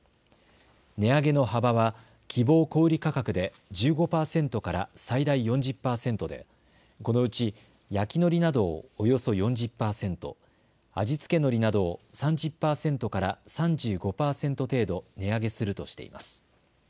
値上げの幅は希望小売価格で１５％から最大４０％でこのうち焼きのりなどをおよそ４０％、味付けのりなどを３０％から３５％程度値上げするとしています。